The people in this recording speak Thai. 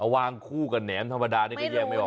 วางคู่กับแหนมธรรมดานี่ก็แยกไม่ออก